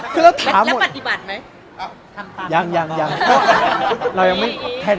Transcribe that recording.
จริงเหรอแล้วบัดอยี่บัดไหม